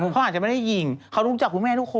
เขาอาจจะไม่ได้ยิงเขารู้จักคุณแม่ทุกคน